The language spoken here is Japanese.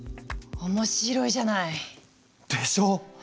面白いじゃない！でしょ！